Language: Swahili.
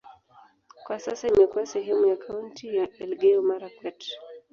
Kwa sasa imekuwa sehemu ya kaunti ya Elgeyo-Marakwet.